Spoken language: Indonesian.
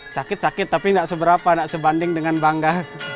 sakit sakit tapi gak seberapa gak sebanding dengan bangga